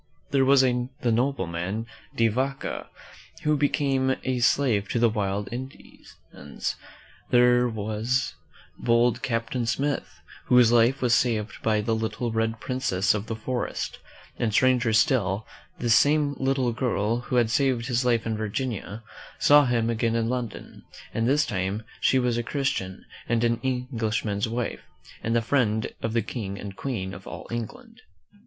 There was the nobleman, De \''aca, who became a slave to the wild Indians. Then there was bold Captain Smith, whose life was saved by the Little Red Princess of the Forest; and stranger still, this same little girl, who had saved his life in Vir ginia, saw him again in London, and this time she was a Christian and an Englishman's wife, and the friend of the King and Queen of all England.